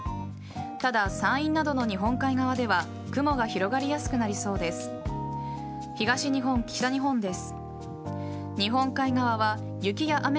ただ、山陰などの日本海側では雲が広がりやすくなりそうです。